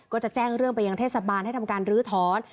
ก็จะแจ้งเรื่องไปยังเทศบาลให้ทำการลื้อถอน